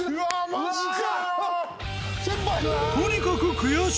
マジか！